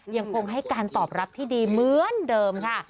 ยังคงให้การตอบรับที่ดีเหมือนเดิมค่ะ